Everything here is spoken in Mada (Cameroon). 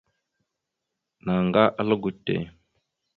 Naŋga algo te.